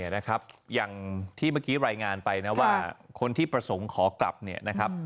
ได้รายงานไปนะว่าคนที่ประสงค์ขอกลับเนี่ยนะครับ